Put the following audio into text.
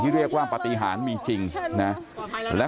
เพื่อนบ้านเจ้าหน้าที่อำรวจกู้ภัย